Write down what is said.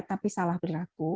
tapi salah perlaku